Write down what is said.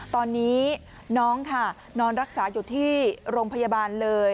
ตอนนี้น้องค่ะนอนรักษาอยู่ที่โรงพยาบาลเลย